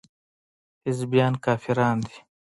حزبيان کافران دي.